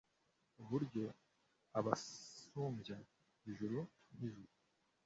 uburyo abasumbya ijuru nk' ijuru